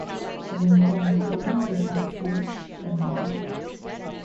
The rainfall recorded is up to per year.